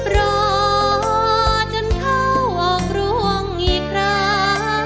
รอจนเข้าออกร่วงอีกครั้ง